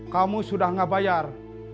kamu sudah nggak bayar